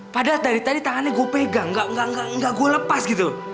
padahal dari tadi tangannya gua pegang gak gua lepas gitu